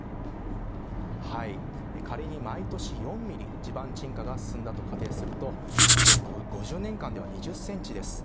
はい、仮に毎年４ｍｍ地盤沈下が進んだと仮定すると５０年間では２０ｃｍです。